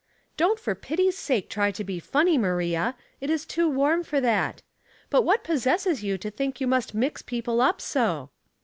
'' Don't for pity's sake try to be funny, Maria; it is too warm for that. But what possesses you to think you must mix people up so